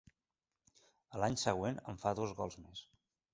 A l'any següent en fa dos gols més.